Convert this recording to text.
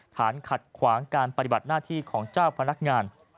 ฐานขัดขวางการปฏิบัติหน้าที่ของเจ้าพนักงาน